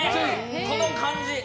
この感じ。